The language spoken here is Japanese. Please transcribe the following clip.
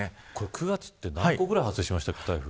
９月って何個くらい発生しましたっけ台風。